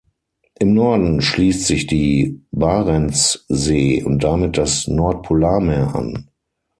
Im Norden schließt sich die Barentssee und damit das Nordpolarmeer an.